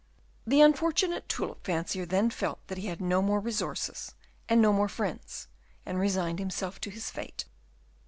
The unfortunate tulip fancier then felt that he had no more resources, and no more friends, and resigned himself to his fate.